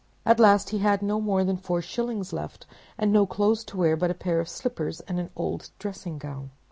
At last he had no more than four shillings left, and no clothes to wear but a pair of slippers and an old dressing gown.